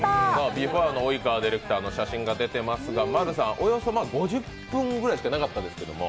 ビフォーの及川ディレクターの写真が出ていますがＭＡＲＵさん、およそ５０分ぐらいしかなかったですけど。